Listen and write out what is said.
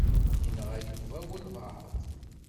Yenɣa Yuba walebɛaḍ.